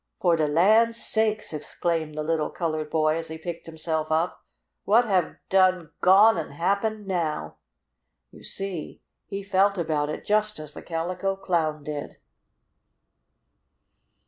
"Fo' de lan' sakes!" exclaimed the little colored boy as he picked himself up. "What have done gone an' happened now?" You see, he felt about it just as the Calico Clown did.